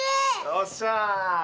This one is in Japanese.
よっしゃあ！